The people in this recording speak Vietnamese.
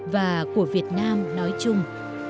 và của việt nam nói chung